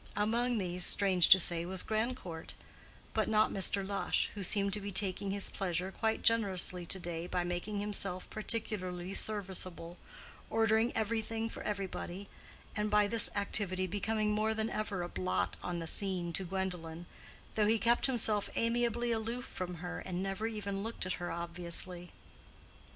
Among these, strange to say, was Grandcourt; but not Mr. Lush, who seemed to be taking his pleasure quite generously to day by making himself particularly serviceable, ordering everything for everybody, and by this activity becoming more than ever a blot on the scene to Gwendolen, though he kept himself amiably aloof from her, and never even looked at her obviously.